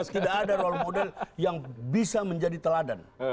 tidak ada role model yang bisa menjadi teladan